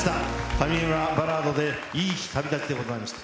谷村バラードで、いい日旅立ちでございました。